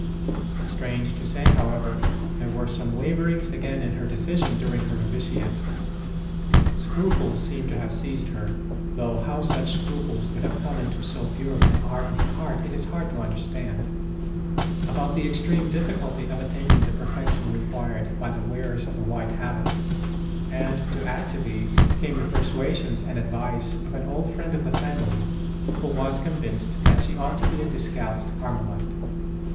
Strange to say, however, there were some waverings again in her decision during her novitiate. Scruples seem to have seized her though how such scruples could have come into so pure and ardent a heart it is hard to under standabout the extreme difficulty of attaining the perfection required by the wearers of the HOW SHE TOOK THE HABIT OF ST. DOMINIC Q7 white habit ; and, to add to these, came the per suasions and advice of an old friend of the family, who was convinced that she ought to be a dis calced Carmelite.